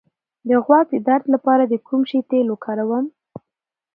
د غوږ د درد لپاره د کوم شي تېل وکاروم؟